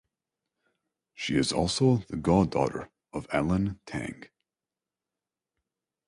She is also the god-daughter of Alan Tang.